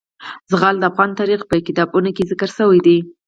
زغال د افغان تاریخ په کتابونو کې ذکر شوی دي.